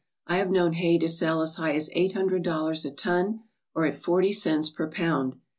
I have known hay to sell as high as eight hundred dollars a ton or at forty cents per pound.